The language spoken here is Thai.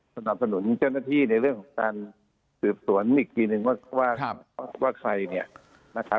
สนับสนุนเจ้าหน้าที่ในเรื่องของการสืบสวนอีกกี่นึงว่าใคร